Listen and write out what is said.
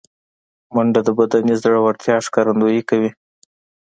منډه د بدني زړورتیا ښکارندویي کوي